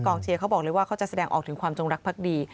เชียร์เขาบอกเลยว่าเขาจะแสดงออกถึงความจงรักภักดี